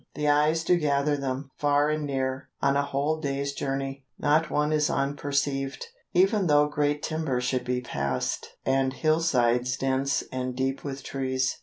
The eyes do gather them, far and near, on a whole day's journey. Not one is unperceived, even though great timber should be passed, and hill sides dense and deep with trees.